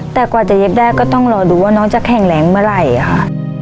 แต่กว่าจะเย็บได้ก็ต้องรอดูว่าน้องจะแข็งแรงเมื่อไหร่ค่ะ